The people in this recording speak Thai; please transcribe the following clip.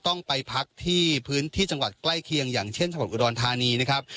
ต้องไปพักที่พื้นที่จังหวัดใกล้เคียงอย่างเช่นจังหวัดอุดรธานีนะครับ